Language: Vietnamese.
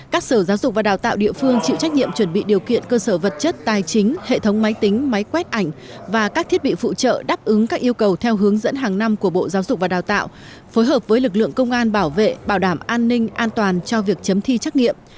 các sở giáo dục và đào tạo địa phương chịu trách nhiệm chuẩn bị điều kiện cơ sở vật chất tài chính hệ thống máy tính máy quét ảnh và các thiết bị phụ trợ đáp ứng các yêu cầu theo hướng dẫn hàng năm của bộ giáo dục và đào tạo phối hợp với lực lượng công an bảo vệ bảo đảm an ninh an toàn cho việc chấm thi trắc nghiệm